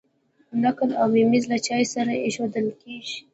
نقل او ممیز له چای سره ایښودل کیږي.